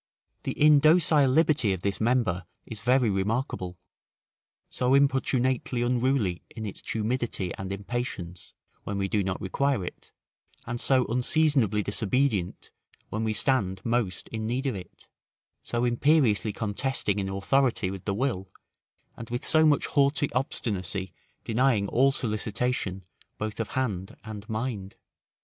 The indocile liberty of this member is very remarkable, so importunately unruly in its tumidity and impatience, when we do not require it, and so unseasonably disobedient, when we stand most in need of it: so imperiously contesting in authority with the will, and with so much haughty obstinacy denying all solicitation, both of hand and mind.